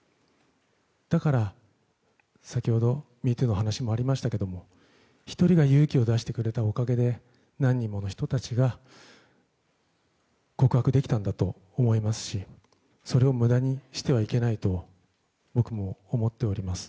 だから先ほど「＃ＭｅＴｏｏ」のお話にもありましたが１人が勇気を出してくれたおかげで何人もの人たちが告白できたんだと思いますしそれを無駄にしてはいけないと僕も思っております。